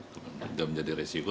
sudah menjadi risiko